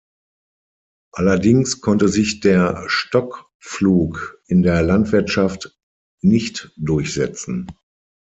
Allerdings konnte sich der Stock-Pflug in der Landwirtschaft nicht durchsetzen.